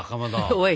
おい！